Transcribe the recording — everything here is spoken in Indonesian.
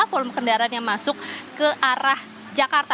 volume kendaraan yang masuk ke arah jakarta